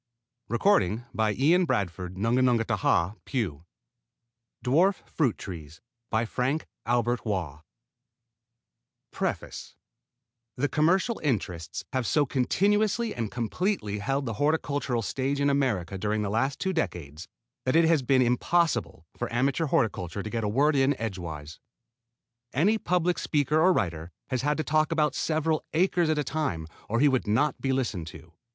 WAUGH ILLUSTRATED NEW YORK ORANGE JUDD COMPANY 1906 COPYRIGHT, 1906 BY ORANGE JUDD COMPANY PREFACE The commercial interests have so continuously and completely held the horticultural stage in America during the last two decades that it has been impossible for amateur horticulture to get in a word edgewise. Any public speaker or writer has had to talk about several acres at a time or he would not be listened to.